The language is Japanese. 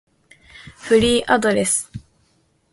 フリーアドレス